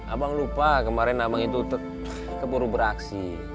abang lupa kemarin abang itu keburu beraksi